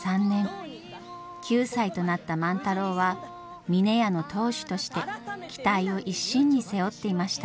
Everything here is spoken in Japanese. ９歳となった万太郎は峰屋の当主として期待を一身に背負っていました。